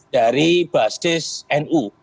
dari basis nu